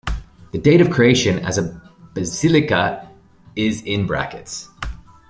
The date of creation as a basilica is in brackets.